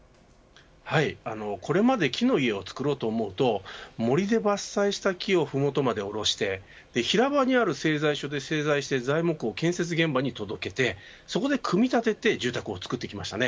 これまで木の家を作ろうと思うと森で伐採した木を麓まで下ろして平場にある製材所で製材して材木を建設現場に届けてそこで組み立てて住宅を作ってきました。